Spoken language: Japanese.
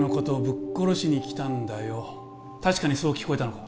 確かにそう聞こえたのか？